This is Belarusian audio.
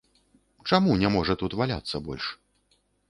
Чаму не можа тут валяцца больш?